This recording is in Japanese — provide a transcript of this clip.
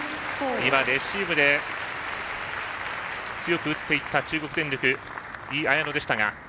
今、レシーブで強く打っていった中国電力、井絢乃でしたが。